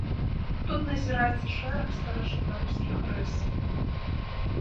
Тут назіраецца шэраг старажытнарускіх рыс.